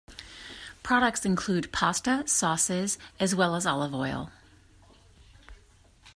Products include pasta, sauces, as well as olive oil.